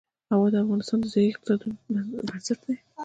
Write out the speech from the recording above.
هوا د افغانستان د ځایي اقتصادونو بنسټ دی.